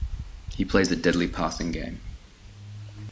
He plays a deadly passing game.